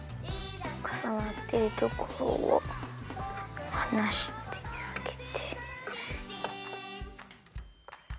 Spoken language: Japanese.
かさなってるところをはなしてあげて。